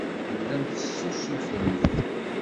Tellamt tessusufemt.